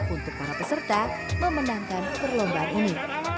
untuk para peserta memenangkan perlombaan ini